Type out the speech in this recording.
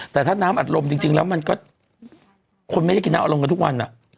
แต่ถ้าน้ำอัดลมจริงแล้วมันก็คนไม่ได้กินน้ำอารมณ์กันทุกวัน